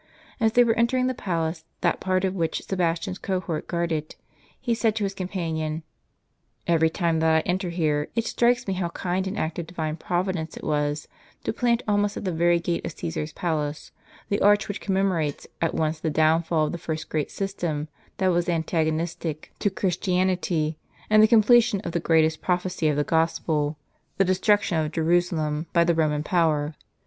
As they were entering the palace, that part of which Sebastian's cohort guarded, he said to his companion: "Every time that I enter here, it strikes me how kind an act of Divine Providence it was, to plant almost at the very gate of Caesar's palace, the arch which commemorates at once the downfall of the first great system that was antagonistic to M^^'^ I/^^.^ The ArchofTitns. Christianity, and the completion of the greatest prophecy of the Gospel, — the destruction of Jerusalem by the Eoman power.